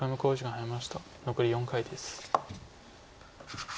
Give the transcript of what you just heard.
残り４回です。